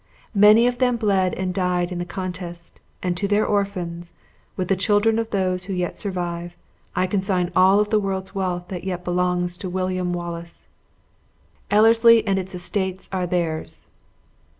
Many of them bled and died in the contest; and to their orphans, with the children of those who yet survive, I consign all of the world's wealth that yet belongs to William Wallace; Ellerslie and its estates are theirs.